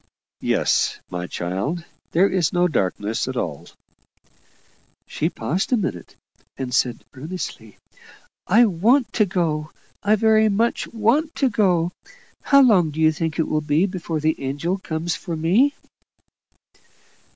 "Yes, my child. There is no darkness at all." She paused a minute, and said earnestly, "I want to go I very much want to go. How long do you think it will be before the angels come for me?"